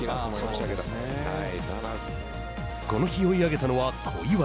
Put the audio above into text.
この日、追い上げたのは小祝。